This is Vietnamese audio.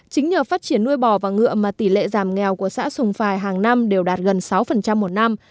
chính nhờ phát triển nuôi bò và ngựa mà tỷ lệ giảm nghèo của xã sùng phà hàng năm đều đạt gần sáu một năm